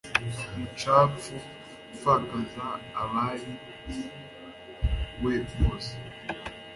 mucapfu upfakaza abari we bose